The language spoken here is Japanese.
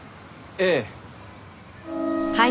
ええ。